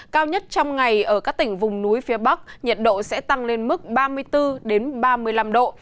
cao nhất trong ngày ở các tỉnh vùng núi phía bắc nhiệt độ sẽ tăng lên mức ba mươi bốn ba mươi năm độ